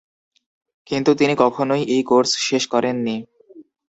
কিন্তু, তিনি কখনোই এই কোর্স শেষ করেননি।